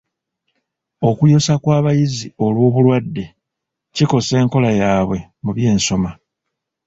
Okuyosa kw'abayizi olw'obulwadde kikosa enkola yaabwe mu byensoma.